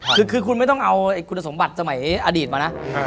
คือคุณไม่ต้องเอาคุณสมบัติสมัยอดีตมานะ